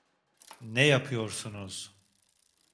Ne yapıyorsunuz?